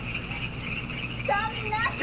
さあみんな！